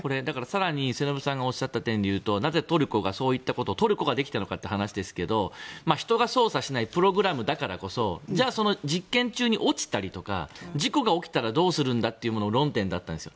更に末延さんがおっしゃた点で言うとなぜそういったことをトルコができたのかですが人が操作しないプログラムだからこそ実験中に落ちたり事故が起きたらどうするんだというのが論点だったんです。